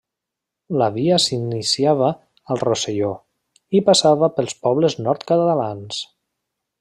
La via s'iniciava al Rosselló i passava pels pobles nord-catalans.